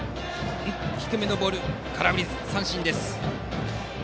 低めのボールに空振り三振です。